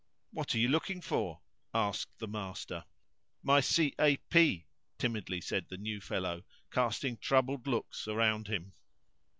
"What are you looking for?" asked the master. "My c a p," timidly said the "new fellow," casting troubled looks round him.